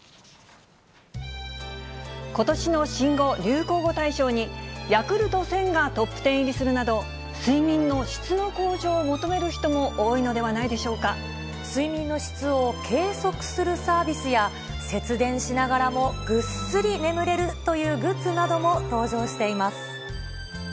ことしの新語・流行語大賞に、ヤクルト１０００がトップ１０入りするなど睡眠の質の向上を求め睡眠の質を計測するサービスや、節電しながらもぐっすり眠れるというグッズなども登場しています。